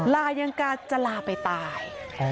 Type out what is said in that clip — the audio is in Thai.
ลายังกาจะลาไปตาย